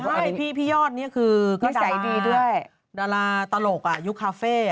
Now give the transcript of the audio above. ใช่พี่ยอดนี่คือดาราตลกยุคาเฟ่